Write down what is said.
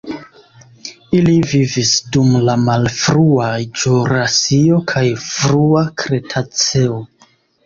Ili vivis dum la malfrua ĵurasio kaj frua kretaceo.